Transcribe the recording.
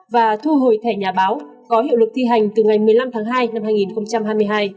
và thu hồi thẻ nhà báo có hiệu lực thi hành từ ngày một mươi năm tháng hai năm hai nghìn hai mươi hai